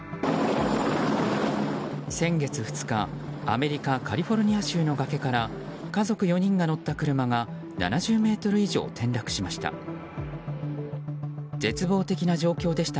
先月２日、アメリカカリフォルニア州の崖から家族４人が乗った車が７０ｍ以上転落しました。